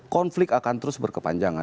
konflik akan terus berkepanjangan